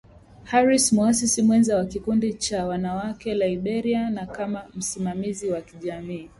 Harris muasisi mwenza wa Kikundi cha Wanawake Liberia na kama msimamizi wa kijamii